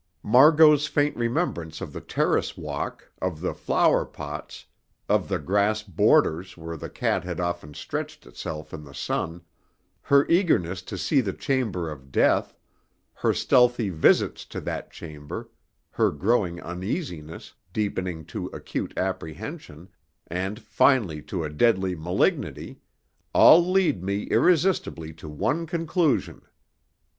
Margot's faint remembrance of the terrace walk, of the flower pots, of the grass borders where the cat had often stretched itself in the sun, her eagerness to see the chamber of death, her stealthy visits to that chamber, her growing uneasiness, deepening to acute apprehension, and finally to a deadly malignity all lead me irresistibly to one conclusion.